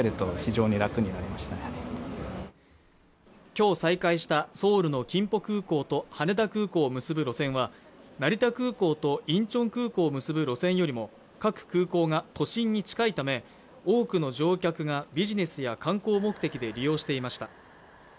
今日再開したソウルのキンポ空港と羽田空港を結ぶ路線は成田空港とインチョン空港を結ぶ路線よりも各空港が都心に近いため多くの乗客がビジネスや観光目的で利用していました